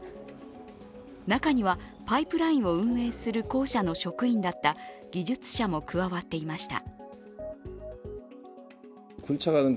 中にはパイプラインを運営する公社の職員だった技術者も加わっていました。